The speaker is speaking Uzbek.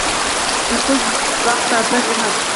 O`qish bu vaqt sarflash emas